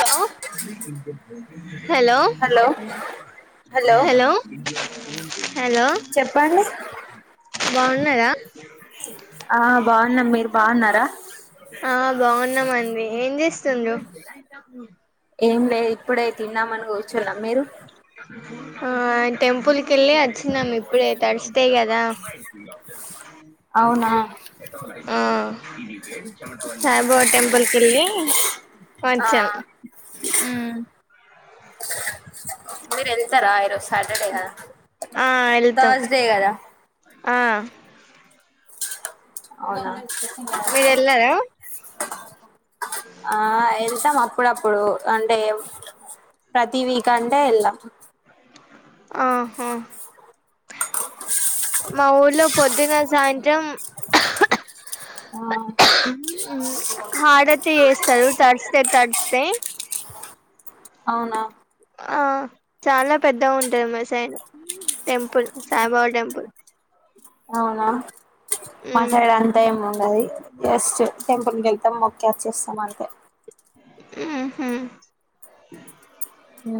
hello hello hello ఊహ్మ్ చెప్పండి బాగున్నారా ఆ బాగున్నాం మీరు బాగున్నారా ఆ బాగున్నామండి ఏం చేస్ స్తుండ్రు హు ఏం లేదు ఇప్పుడైతే తిందామని కూర్చున్నా మీరు ఆ టెంపుల్ కి వెళ్ళి వచ్చినం ఇప్పుడుయితే తడిసి యి కదా అవునా ఆ సాయిబాబా టెంపుల్కెళ్ళి ఆ వచ్చాం ఉమ్ మేరెల్తర ఈరోజ సటర్డే కదా ఆ వెళ్తాం తర్స్డే కద ఆ అవునా మీరు వెళ్ళారా ఆ వెళ్తం అప్ ప్పుడప్పుడు అంటే ప్రతి వీక్ అంటే వెళ్లం ఆహా మా ఊర్లో పొద్దున సాయంత్రం ఆ హాడతే చేస్తారు తడిస్తే తడిస్తే అవునా ఆ చాలా పెద్ద ఉంటది మ సైన్ టెంపుల్ సాయిబాబా టెంపుల్ అవునా మా ఉమ్ సైడ్ అంతా ఏం ఉండది ఎస్ట్ టెంపుల్ క వెళ్తాం ఓకే వచ్చేస్తాం అంతే హు హ్మ్ ఉ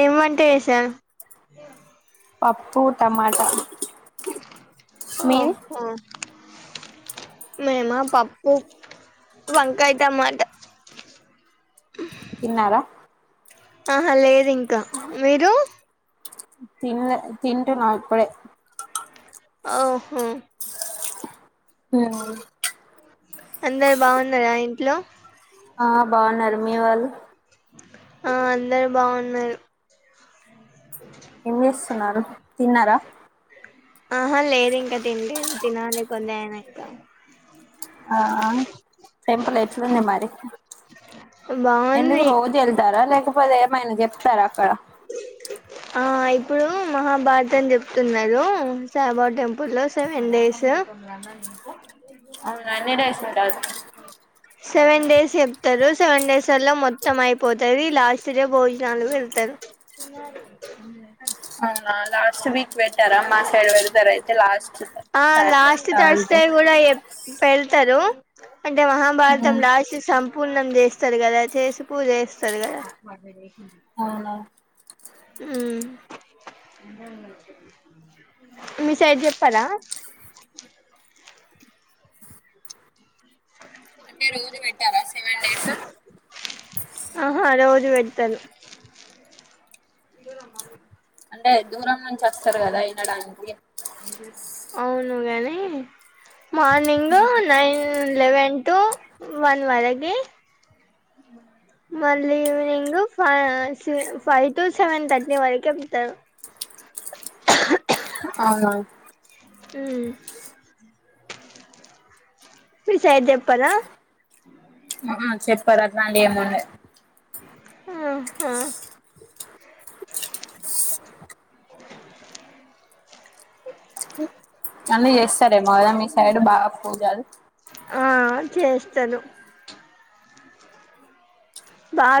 ఏమంటే వసా పప్పు టమాట ఓ ఓహొ మేమా పప్పు వంకాయ టమాట తిన్నారా ఆహా లేదు ఇంకా మీరు తినలే తింటున్నా ఇప్పుడే ఓహో ఉమ్ అందరు బాగున్నారా ఇంట్లో ఆ బాగున్నారు మీ వాళ్ళు ఆ అందరు బాగున్నారు ఏం చేస్తున్నారు తిన్నారా ఆహా లేదు ఇంకా తింనలెదు తినాలి కొద్ది ఆయన ఇంకా ఆ టెంపుల్ ఎట్లుంది మరి ఎందుకు బాగుంది రోజు వెళ్తారా లేక ద ఏమైనా చెప్తారా అక్కడ ఆ ఇప్పుడు మహాభారతం అని చెప్తున్నారు సాహబా టెంపుల్ సెవెన్ డేస్ అవున ఎన్ని డేస్ ఉంటాయి సెవెన్ డేస్ చెప్తారు సెవెన్ డేస్ స్థలం మొత్తం అయిపోతుంది మెబి లాస్ట్ డే భోజనాలు వెళ్తారు అవునా లాస్ట్ వీక్ పెట్టరా మా సెడ్ పెడతారా అయితే లాస్ట్ ఆ సాటర్డే లాస్ట్ థర్స్డే తర్సడే కూడా వెళ్తారు హ్మ్ ఇంత మహభారతం రాసి సంపూర్ణ అన్నం చేస్తారు కదా చేసి పూజ చెస్త సరే కద అవునా మ్మ్ మీ సైడ్ చెప్పార అంటే రోజు పెట్టారా సెవెన్ డేస్ సరే దూరమ మీకు అంటే దూరం నుంచి వస్తారు కదా వినడానికి అవును గాని morning nine eleven two one వరకి మ్మ్ మళ్ళీ ఈవినింగు పై సి ఫైవ్ టు సెవెన్ థర్టీ వరకే ఉంతారు అవునా హ్మ్ మీ సైడ్ చెప్ మ్మ్ హ్మ్ చెప్ పదా అట్లాంటివ్ ఏమున్నాయ్ ఆహా అన్ని చేస్తారేమో కదా మీ సైడ్ బాగా పూజలు ఆ చేస్తాను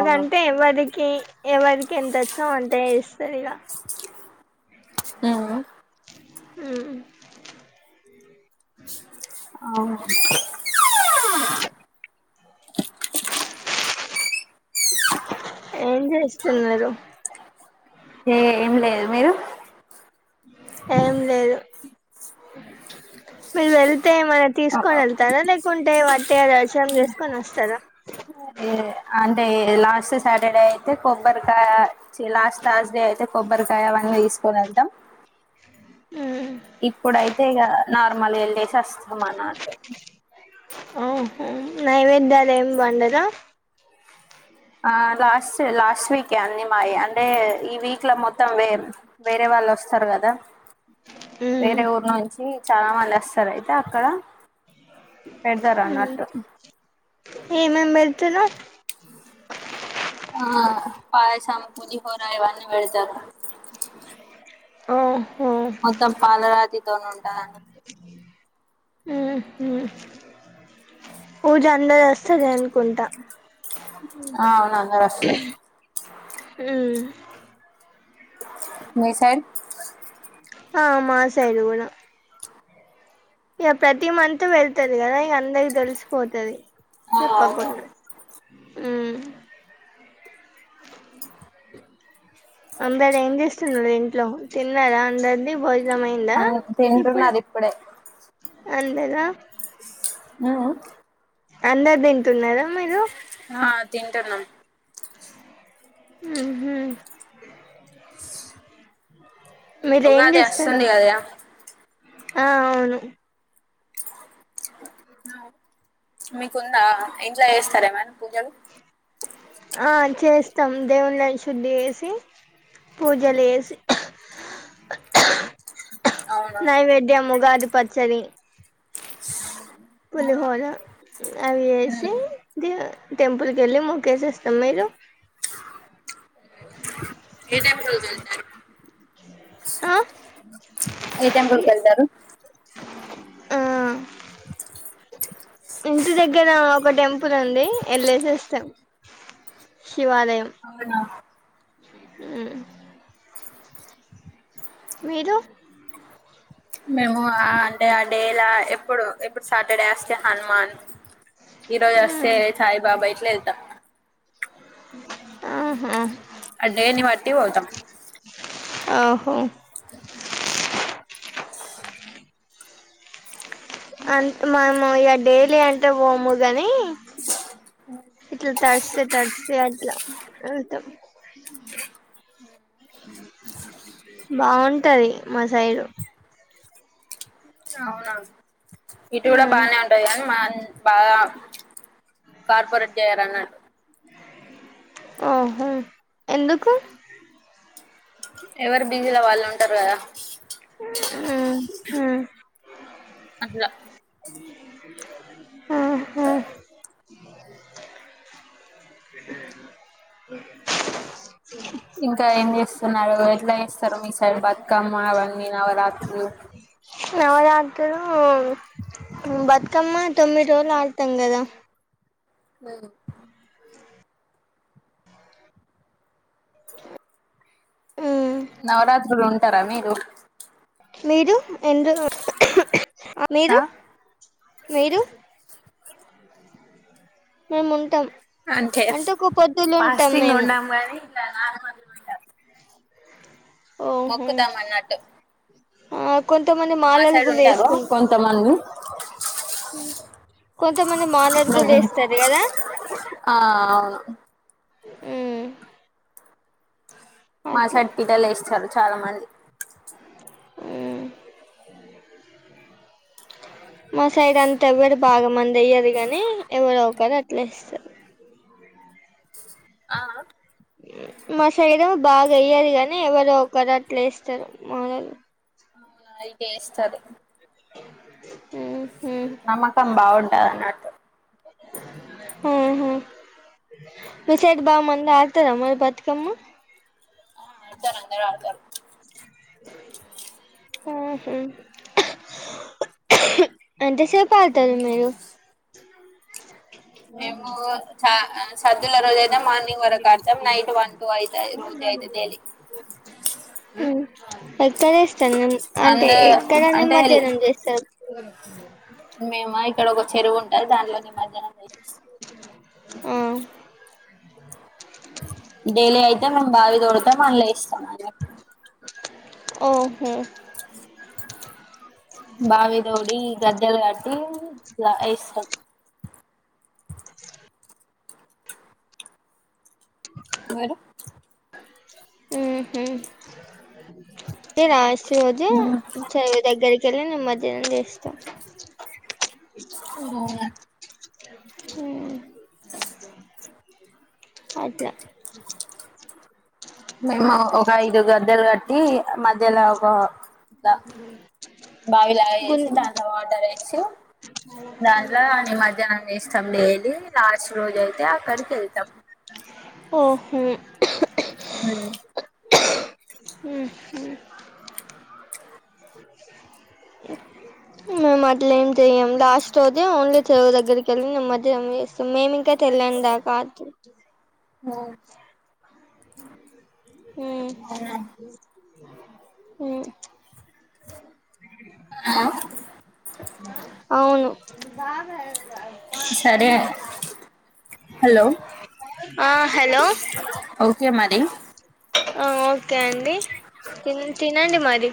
అవును ఎవరికి ఎవరి కి ఎంతోచ్చో అంతె ఇస్తది ఈగ మ్మ్ హ్మ మ్మ్ అవున ఏం చేస్తున్నారు ఏ ఏం లేదు మీరు ఏం లేదు మీరు వెళ్తే ఏమైన తీసుకొని వెళ్తారా లేకుంటే వట్టి గా రసం చేసుకొని వస్తారా అంటే లాస్ట్ సాటర్డే అయితే కొబ్బరికాయ చి లాస్ట్ థర్స్డే అయితే కొబ్బరికాయ అవన్నీ తీసుకొని వెళ్తాం అంతే కదా నార్మల్ గా వెళ్ళేసి వస్తామన్నట్టు మ్మ్ హు నైవేద్యాలు ఏం వండరా ఆ లాస్ లాస్ట్ వీకే అన్నీ మాయి అంటే ఈ వీక్ లో మొత్తం వేర్ వేరే వాళ్ళు వస్తారు కదా వేరే ఊరు నుంచి చాలా మంది వస్తారు అయితే క్కడ పెడతారా అన్నటు ఏమేమ్ పెడ్తారు ఆ పాయ్ సం పులిహోర ఇవన్నీ పెడ్ [unintelligible] ఓ మొత్తం పాలరాతితో ఉంటదనట్టు మ్మ్ హు పూజ అందరు వస్తాదనుకుంటా అవునా హుమ్మ్ మీ సైడ్ ఆ మా సైడ్ గుడా ఇక ప్రతి మంత్ వెళ్తుది కదా ఇక అందరికి తెలిసిపోతది చెప్పకున్ ఆ అందర్ ఏం చేస్తున్నారు ఇంట్లో తిన్నారా అందర్ అవును తింటున్నారు ఇప్పుడే అందర ఆ అందర్ తింటున్నారా మీరు ఆ తింటున్నాం హ్మ్మ్ ఉగాది చేస్తారు అస్తుంది కదా ఆ అవును మీకుంద ఇంట్లో చేస్తారా ఏమైన పూజలు ఆ చేస్తాం దేవుళ్ళన్ శుద్ధి చేసి పూజలు చేసి అవును నైవేద్యం ఉగాది పచ్చడి పులిహోర అవి ఏసి ద మీరు టెంపుల్ కి వెళ్లి మొక్కేవస్తాం మీరు ఏ టైం లోక వెళ్తారు ఆ ఏ టెంపుల్కి వెళ్తారు ఉ ఇంటి దగ్గ నా ఒక టెంపుల్ ఉంది వెళ్ళేసేవస్తాం శివాలయం అవునా హ్మ్మ్ మీరు మేము ఆ అంటే ఆ డేలా ఎప్పుడు ఎప్పుడు సాటర్డే వస్తే హనుమాన్ ఈ రోజు వస్తే సాయిబాబా ఇట్లా ఎల్తం ఆహా అ డే నీ బట్టి పోతాం ఆహో అంతే మనము ఇక డైలీ అంటే పోము కానీ తస్డే తస్డే అట్లా వెతాం బాగుంటది మా సైడు అవునవును ఇటు కూడా బానే ఉంటాది కానీ మా బద కార్పొరేట్ జయల అన్నాటూ ఓహో ఎందుకు ఎవరు బిజీల వాళ్ళు ఉంటారు కదా ఉమ్ ఉమ్ అట్లా ఉహు ఇంకా ఏం చేస్తున్నారు ఎట్లా చేస్తారు మీ సైడ్ బతుకమ్మ అవన్నీ నవరాత్రులు [unintelligible] ఉ బతుక క్కమ్మా తొమ్మిది రోజులు ఆడతాం కదా అ ంటారా మీరు మీరు ఎందు ఆ మీరు మీరు మేము ఉంటాం అంటే ఒక పొద్దులు ఉంటాం పాస్టింగ్ మేము ఉండం గాని ఇ నాలుగు మందింట ఓహో మొక్కుతాం అన్నట్టు ఆ కొంతమంది మా మాలలు సైడ్ కూడా ఉంటారు వేసుకుంటారు కొంతమంది కొంతమంది మాలర్ కూడా వస్తారు కదా ఆ అవును ఉమ్ మా అట్లా సట్పిటలు వేస్తారు చాలా మంది మా సైడ్ అంత ఎవ్వరు బాగా మంది అయ్యారు గానీ ఎవరు అవకరు అట్లా ఇస్తారు ఆ మా శైరం బాగా అయ్యది కాగానీ ఎవరో ఒకరు అట్లు వేస్తారు మానలు అయితె ఎస్తరు ఆ నమకం బాగుంటా అ నాటు ఆ విసేట్ బావ మంద ఆతారా మరి బతుకమ్మ ఆడుతారు అందర ఆళ్తారు ఆహ అంటే సేపు అవుతారు మీరు మేము సద్దుల రోజు అయితే మార్నింగ్ వరకు అర్తాం నైట్ వన్ టు అయితే రోజ అయితే తెేలి ఉమ్ ఎక్కడ వేస్తారు అంటే అందు అంటే అ మేము ఇక్కడ ఒక చెరువు ఉంటది దానిలోని మధ్య ఆవు డైలీ అయితే మేము బావి తోడతాం మళ్ళ ఇస్తాం అ ఓహో బావిదోడి గద్దెలుగాటి ఇష్టం మీరు ఉహు శిరోోజు శజ దగ్గరి ఇష్టం ఓ అట్లా ఒక ఐదు గద్దలు మధ్యలో ఒక ఇట్లా బావి లాగా గు చేసి దానిలో వాటర్ సిూ దల ని మధ్యాహ్నం ఇష్టం డేలీ లాస్ట్ రోజ అయితు త అక్కడక వెళ్త ఓహో అ మేము అట్ల ఏం చెయ్యం లాస్ట్ అతే ఓన్లీ చెరువు దగ్గరికి వెళ్ళి నిమజ్జనం చేస్తాం మేము ఇంకా తెల్ళం దాకా ఉ హ్మ్మ్ అవునా హ్మ్మ్ హ అవును బాబ సరే హలో ఆ హలో ఓకే మరి ఓకే అండి త తినండి మరి